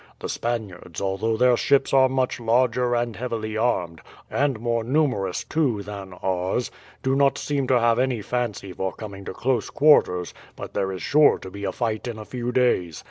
The Spaniards, although their ships are much larger and heavily armed, and more numerous too than ours, do not seem to have any fancy for coming to close quarters; but there is sure to be a fight in a few days.